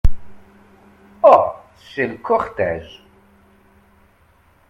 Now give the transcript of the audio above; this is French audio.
Ah ! c’est le cortège !…